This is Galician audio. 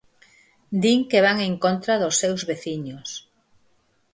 Din que van en contra dos seus veciños.